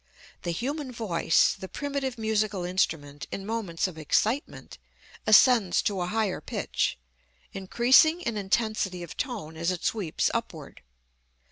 The human voice, the primitive musical instrument, in moments of excitement, ascends to a higher pitch, increasing in intensity of tone as it sweeps upward.